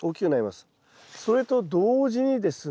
それと同時にですね